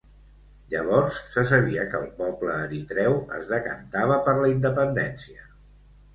Llavors se sabia que el poble eritreu es decantava per la independència.